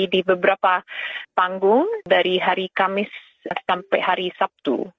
di beberapa panggung dari hari kamis sampai hari sabtu